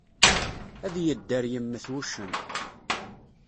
Ad yedder yemmet wuccen.